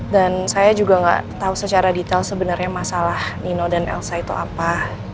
dan saya juga gak tau secara detail sebenarnya masalah nino dan elsa itu apa